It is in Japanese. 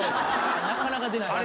なかなか出ない。